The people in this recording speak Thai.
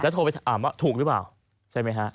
โทรไปถามว่าถูกหรือเปล่าใช่ไหมฮะ